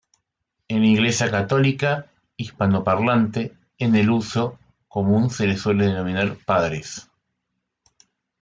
En la Iglesia Católica hispanoparlante en el uso común se les suele denominar 'padres'.